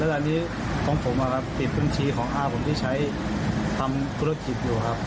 แล้วตอนนี้ของผมอะครับปิดบัญชีของอ่าผมที่ใช้ทำกุรติศอยู่ครับ